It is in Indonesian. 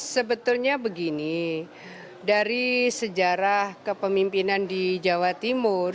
sebetulnya begini dari sejarah kepemimpinan di jawa timur